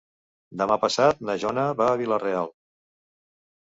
Demà passat na Joana va a Vila-real.